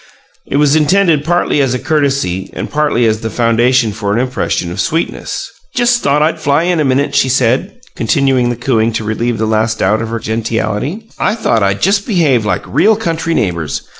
It was intended partly as a courtesy and partly as the foundation for an impression of sweetness. "Just thought I'd fly in a minute," she said, continuing the cooing to relieve the last doubt of her gentiality. "I thought I'd just behave like REAL country neighbors.